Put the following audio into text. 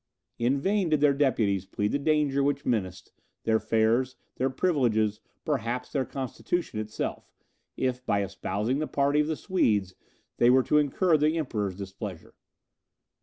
In vain did their deputies plead the danger which menaced their fairs, their privileges, perhaps their constitution itself, if, by espousing the party of the Swedes, they were to incur the Emperor's displeasure.